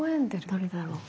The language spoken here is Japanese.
誰だろう？